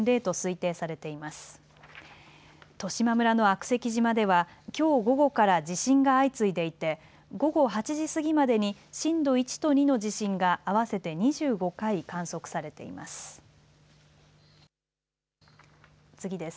十島村の悪石島では、きょう午後から地震が相次いでいて午後８時過ぎまでに震度１と２の地震が合わせて２５回観測されています。